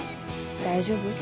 大丈夫？